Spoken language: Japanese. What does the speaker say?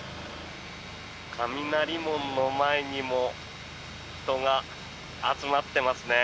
雷門の前にも人が集まっていますね。